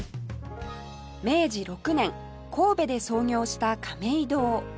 明治６年神戸で創業した亀井堂